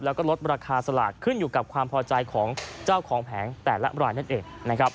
และลดราคาสลากขึ้นอยู่กับความพอใจของเจ้าของแผงแต่ละรายเนื้อเอง